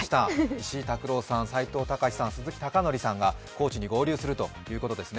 石井琢朗さん、斎藤隆さん、鈴木さんがコーチに合流するということですね。